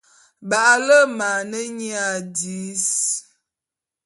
Ba’ale’e ma ane nyia dis.